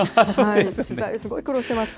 取材、すごく苦労してます。